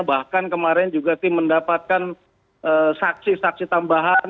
bahkan kemarin juga tim inavis yang berkata bahwa tim ini sudah berjalan dengan kemampuan